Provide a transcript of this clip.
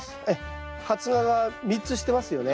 発芽が３つしてますよね。